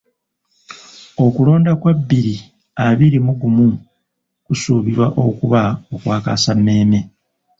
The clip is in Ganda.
Okulonda kwa bbiri abiri mu gumu kusuubirwa okuba okwakaasammeeme.